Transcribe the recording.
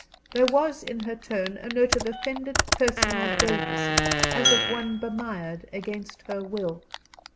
There was in her tone a note of offended personal delicacy, as of one bemired against her will.